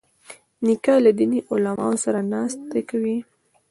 نیکه له دیني علماوو سره ناستې کوي.